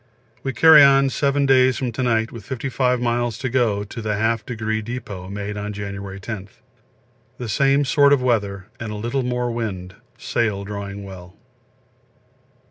We carry on 7 days from to night with 55 miles to go to the Half Degree Depot made on January 10. The same sort of weather and a little more wind, sail drawing well.